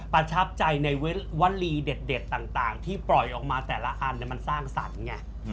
ประทับใจในเว้นวลีเด็ดต่างที่ปล่อยออกมาแต่ละอันมันสร้างสรรค์ไง